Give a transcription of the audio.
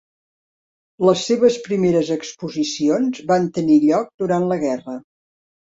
Les seves primeres exposicions van tenir lloc durant la guerra.